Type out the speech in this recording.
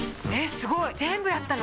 すごい全部やったの？